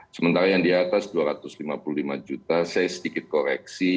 sementara yang di atas dua ratus lima puluh lima juta saya sedikit koreksi